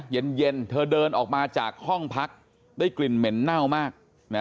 เย็นเธอเดินออกมาจากห้องพักได้กลิ่นเหม็นเน่ามาก